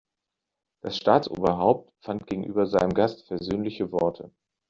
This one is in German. Das Staatsoberhaupt fand gegenüber seinem Gast versöhnliche Worte.